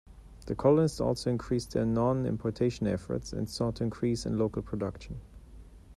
The colonists also increased their non-importation efforts, and sought to increase in local production.